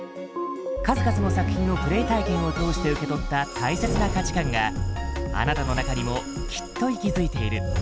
数々の作品のプレイ体験を通して受け取った大切な価値観があなたの中にもきっと息づいている。